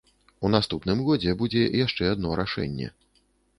У наступным годзе будзе яшчэ адно рашэнне.